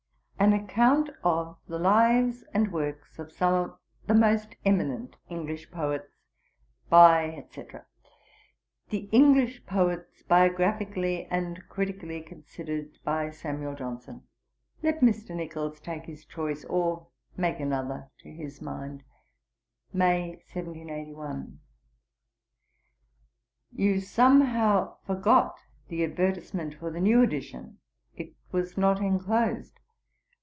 'An account of the Lives and works of some of the most eminent English Poets. By, &c. "The English Poets, biographically and critically considered, by SAM. JOHNSON." Let Mr. Nichols take his choice, or make another to his mind. May, 1781.' 'You somehow forgot the advertisement for the new edition. It was not inclosed.